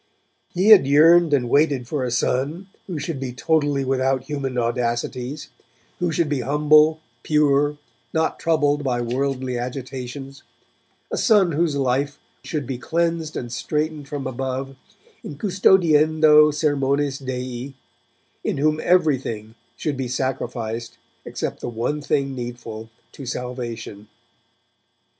He had yearned and waited for a son who should be totally without human audacities, who should be humble, pure, not troubled by worldly agitations, a son whose life should be cleansed and straightened from above, in custodiendo sermones Dei; in whom everything should be sacrificed except the one thing needful to salvation.